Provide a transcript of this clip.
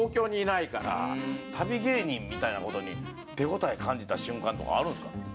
旅芸人みたいなことに手応え感じた瞬間とかあるんすか？